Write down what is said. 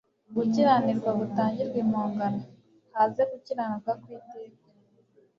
gukiranirwa gutangirwe impongano haze gukiranuka kw'iteka.